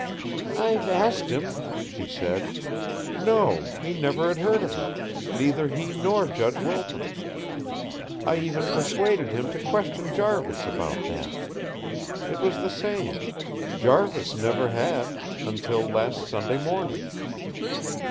"I've asked him," she said. "No; he never had heard of her neither he nor Judge Wilton. I even persuaded him to question Jarvis about that. It was the same; Jarvis never had until last Sunday morning."